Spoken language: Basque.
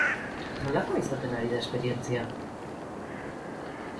Nolakoa izaten ari da esperientzia?